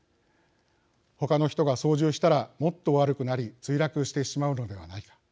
他の人が操縦したらもっと悪くなり墜落してしまうのではないか。